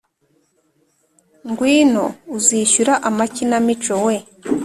"ngwino, uzishyura amakinamico wee;